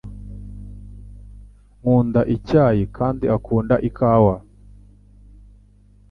Nkunda icyayi kandi akunda ikawa